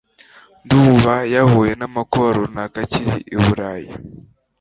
Ndumva yahuye namakuba runaka akiri i Burayi